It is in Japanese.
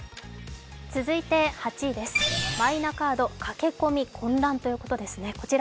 続いて、マイナカード駆け込み混乱ということです